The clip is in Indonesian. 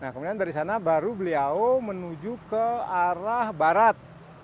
kemudian dari sana baru beliau menuju ke arah barat